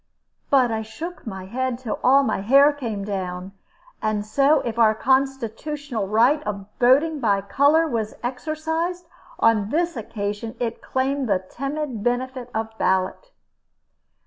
But I shook my head till all my hair came down; and so if our constitutional right of voting by color was exercised, on this occasion it claimed the timid benefit of ballot.